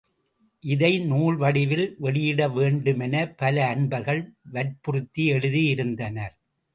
இதை நூல் வடிவில் வெளியிட வேண்டுமெனப் பல அன்பர்கள் வற்புறுத்தி எழுதியிருந்தனர்.